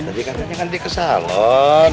tadi katanya nanti ke salon